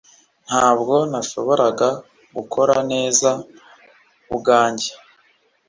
Ntabwo nashoboraga gukora neza ubwanjye